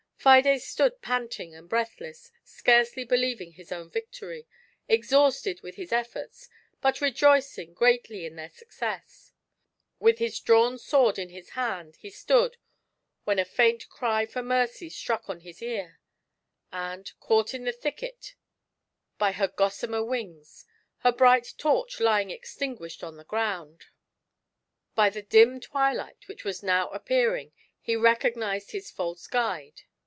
Fidea stood panting and breathless, scarcely believing his own victory — exhausted with hia efforts, but rejoic ing greatly in their success. With his drawn sword in his hand he stood, when a faint cry for mercy struck on his ear ; and, caught in the thicket by her gossamer wings, her bright torch lying extinguished on the ground. GIANT SELFISHNESS. I>y the dim twilight which waa now appearing he recog nized his false guide.